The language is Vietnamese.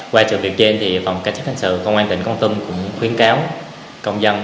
qua trường việt trên thì phòng cảnh sát thành sự công an tỉnh văn tùng cũng khuyến cáo công dân